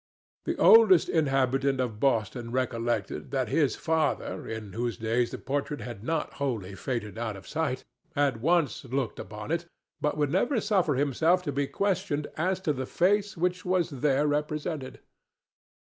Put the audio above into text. The oldest inhabitant of Boston recollected that his father—in whose days the portrait had not wholly faded out of sight—had once looked upon it, but would never suffer himself to be questioned as to the face which was there represented.